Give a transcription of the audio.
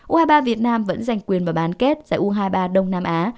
u hai mươi ba việt nam vẫn giành quyền vào bán kết tại u hai mươi ba đông nam á